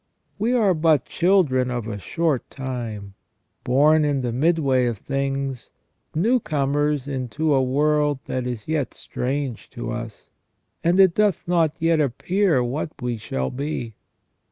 We are but children of a short time, born in the mid way of things, new comers into a world that is yet strange to us, and it doth not yet appear what we shall be.